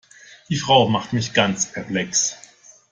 Die Frau macht mich ganz perplex.